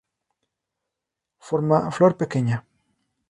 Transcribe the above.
Forma flor pequeña.